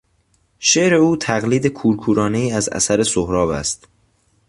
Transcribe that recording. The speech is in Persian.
شعر او تقلید کورکورانهای از اثر سهراب است.